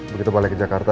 begitu balik ke jakarta